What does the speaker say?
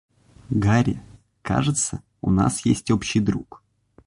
Гарри, кажется, у нас есть общий друг.